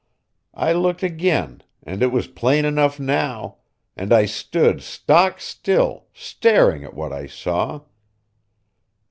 I looked again, and it was plain enough now; and I stood stock still, staring at what I saw.